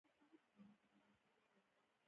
د لرګي مختلف ډول محصولاتو پر مخ نصب او کارول کېږي.